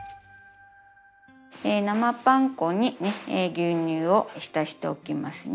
生パン粉に牛乳を浸しておきますね。